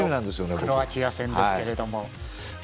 クロアチア戦ですけども。